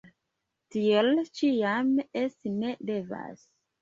Tiel ĉiam esti ne devas!